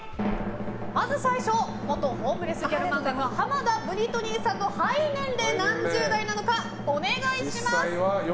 まず最初元ホームレスギャル漫画家浜田ブリトニーさんの肺年齢は何十代なのか。